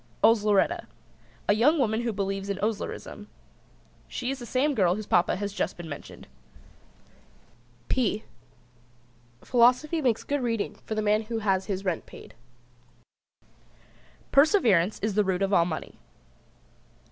OSLERETTA. A young woman who believes in Oslerism. She is the same girl whose Papa has just been mentioned. [Illustration: "P Philosophy makes good reading for the man who has his rent paid."] Perseverance is the root of all money.